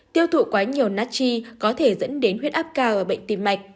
tiêu thụ quá nhiều natchi có thể dẫn đến huyết áp cao ở bệnh tim mạch